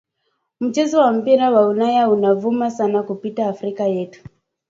Mchezo wa mpira wa ulaya una vuma sana kupita africa yetu